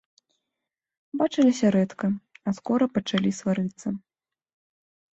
Бачыліся рэдка, а скора пачалі сварыцца.